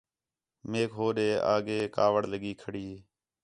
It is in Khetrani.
میک ہوݙے اڳّے کاوِڑ لڳی کھڑی